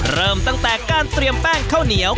เริ่มตั้งแต่การเตรียมแป้งข้าวเหนียว